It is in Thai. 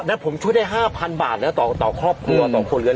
แล้วผมช่วยได้ห้าพันบาทแล้วต่อต่อครอบครัวต่อคนเงิน